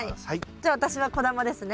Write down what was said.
じゃあ私は小玉ですね。